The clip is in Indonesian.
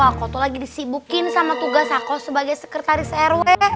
aku tuh lagi disibukin sama tugas aku sebagai sekretaris rw